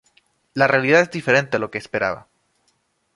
La realidad es diferente a lo que esperaba.